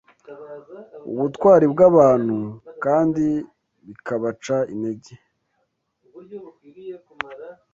ubutwari bw’abantu kandi bikabaca intege.